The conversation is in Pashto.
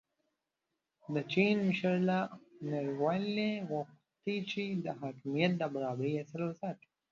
د چین مشر له نړیوالې غوښتي چې د حاکمیت د برابرۍ اصل وساتي.